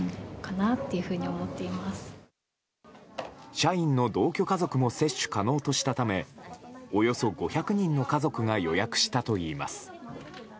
社員の同居家族も接種可能としたためおよそ５００人の家族が予約したといいます。